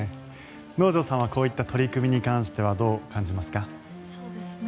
能條さんはこういった取り組みに関してはどう感じますか？